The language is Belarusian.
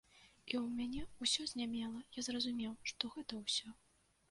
І ў мяне ўсё знямела, я зразумеў, што гэта ўсё.